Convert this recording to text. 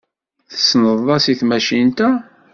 Tessneḍ-as i tmacint-a?